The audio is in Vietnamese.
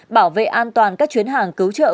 bảo vệ an toàn các chuyến hàng cứu trợ